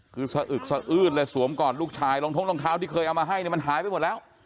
คือสะอึกสะอืดเลยสวมก่อนลูกชายรองท้องรองเท้าที่เคยเอามาให้เนี่ยมันหายไปหมดแล้ว